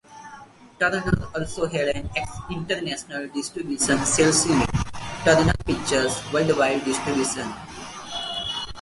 Turner also had an international distribution sales unit, Turner Pictures Worldwide Distribution.